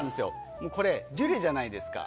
これジュレじゃないですか。